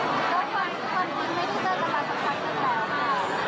กับการรักษาสาวราชสมัครเขาก็ขอโปรการที่เขาทำงาน